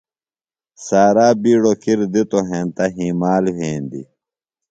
سارا بِیڈوۡ کِر دِتوۡ ہنتہ ہِیمال وھیندیۡ۔